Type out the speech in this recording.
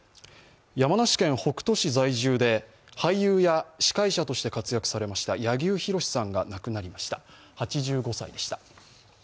山梨県北杜市在住で俳優や司会者として活躍されました柳生博さんが亡くなりました、８５歳でした。